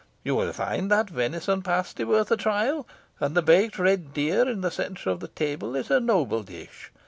You will find that venison pasty worth a trial, and the baked red deer in the centre of the table is a noble dish.